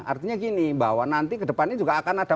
artinya gini bahwa nanti kedepannya juga akan ada